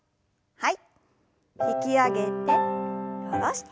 はい。